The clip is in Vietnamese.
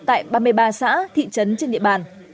tại ba mươi ba xã thị trấn trên địa bàn